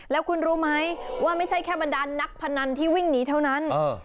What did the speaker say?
แล้วคุณรู้ไหมว่าไม่ใช่แค่บรรดานนักพนันที่วิ่งหนีเท่านั้น